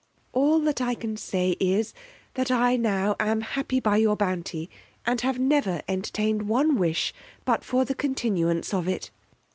All that I can say is, that I now am happy by your bounty, and have never entertained one wish but for the continuance of it.